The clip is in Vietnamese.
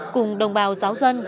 cùng đồng bào giáo dân